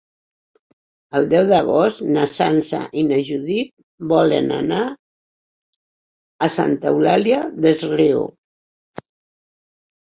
El deu d'agost na Sança i na Judit volen anar a Santa Eulària des Riu.